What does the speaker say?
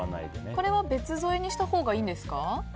これは別添えにしたほうがいいんですか？